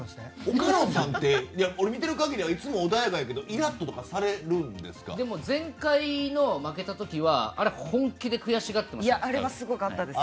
岡野さんって俺、見てる限りではいつも穏やかやけど前回の負けた時はあれは本気で悔しがってましたよ。